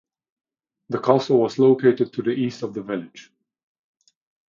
The castle was located to the east of the village.